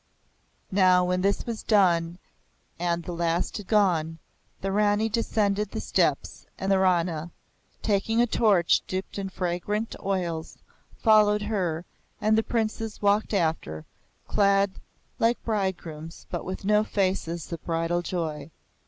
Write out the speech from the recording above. Now, when this was done and the last had gone, the Rani descended the steps, and the Rana, taking a torch dipped in fragrant oils, followed her, and the Princes walked after, clad like bridegrooms but with no faces of bridal joy.